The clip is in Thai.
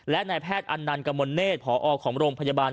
และนายแพทย์อันนันกมลเนธพอของโรงพยาบาล